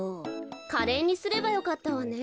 カレーにすればよかったわね。